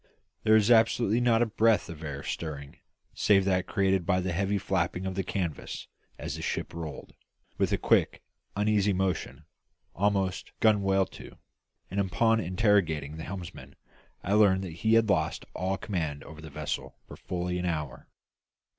There was absolutely not a breath of air stirring save that created by the heavy flapping of the canvas as the ship rolled, with a quick, uneasy motion, almost gunwale to; and upon interrogating the helmsman I learned that he had lost all command over the vessel for fully an hour.